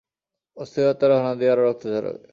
অস্থির আত্মারা হানা দিয়ে আরও রক্ত ঝরাবে।